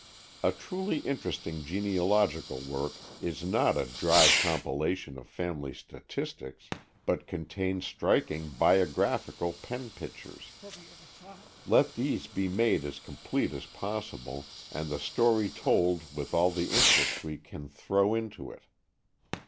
A truly interesting genealogical work is not a dry compilation of family statistics, but contains striking biographical pen pictures. Let these be made as complete as possible, and the story told with all the interest we can throw into it.